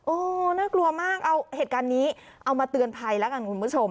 โอ้โหน่ากลัวมากเอาเหตุการณ์นี้เอามาเตือนภัยแล้วกันคุณผู้ชม